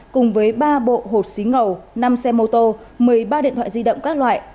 cùng với ba bộ hột xí ngầu năm xe mô tô một mươi ba điện thoại di động các loại